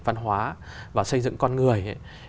văn hóa và xây dựng con người